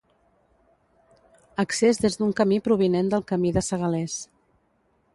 Accés des d'un camí provinent del camí de Segalers.